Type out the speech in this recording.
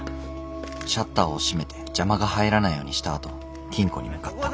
シャッターを閉めて邪魔が入らないようにしたあと金庫に向かった。